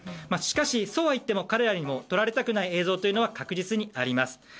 しかし、そうはいっても彼らにも撮られたくない映像は確実にあります。